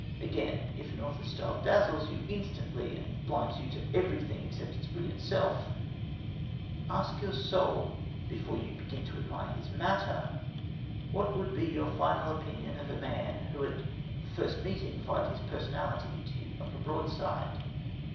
Again, if an author's style dazzles you instantly and blinds you to everything except its brilliant self, ask your soul, before you begin to admire his matter, what would be your final opinion of a man who at the first meeting fired his personality into you like a broadside.